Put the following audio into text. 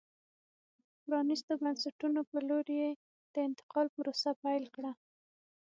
پرانیستو بنسټونو په لور یې د انتقال پروسه پیل کړه.